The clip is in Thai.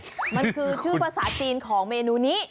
มันคือชื่อภาษาจีนของเมนูนี้